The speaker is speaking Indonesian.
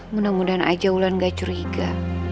mudah mudahan aja wulan gak curiga